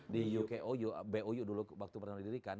bahkan marisi di bou dulu waktu pernah didirikan